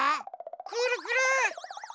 くるくる？